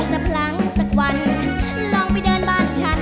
พลั้งสักวันลองไปเดินบ้านฉัน